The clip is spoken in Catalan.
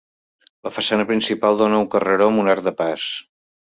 La façana principal dóna a un carreró amb un arc de pas.